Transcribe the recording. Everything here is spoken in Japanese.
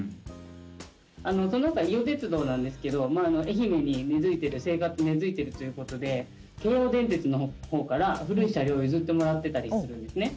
その他伊予鉄道なんですけど愛媛に根づいてる生活に根づいてるということで京王電鉄の方から、古い車両を譲ってもらってたりするんですね。